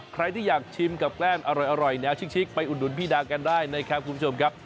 ใครที่อยากชิมกับแกล้มอร่อยแนวชิกไปอุดหนุนพี่ดากันได้นะครับคุณผู้ชมครับ